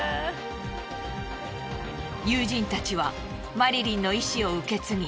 友人たちはマリリンの意思を受け継ぎ